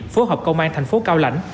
phố hợp công an thành phố cao lạnh